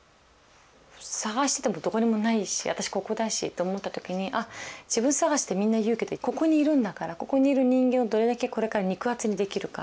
探しててもどこにもないし私ここだしと思った時にあっ自分探しってみんな言うけどここにいるんだからここにいる人間をどれだけこれから肉厚にできるか。